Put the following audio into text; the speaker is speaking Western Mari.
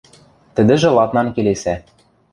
Тӹдӹжӹ ладнан келесӓ: